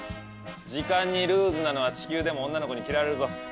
時間にルーズなのは地球でも女の子に嫌われるぞ。